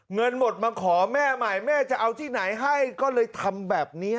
เงินหมดมาขอแม่ใหม่แม่จะเอาที่ไหนให้ก็เลยทำแบบนี้